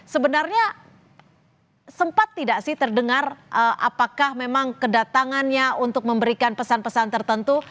sebenarnya sempat tidak sih terdengar apakah memang kedatangannya untuk memberikan pesan pesan tertentu